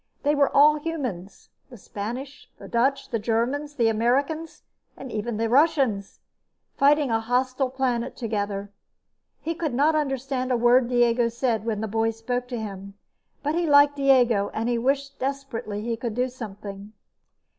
They were all humans the Spanish, the Dutch, the Germans, the Americans, even the Russians fighting a hostile planet together. He could not understand a word Diego said when the boy spoke to him, but he liked Diego and wished desperately he could do something.